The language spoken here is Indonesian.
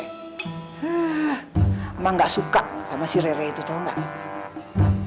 emang gak suka sama si rere itu rom